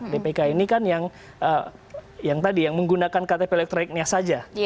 dpk ini kan yang tadi yang menggunakan ktp elektroniknya saja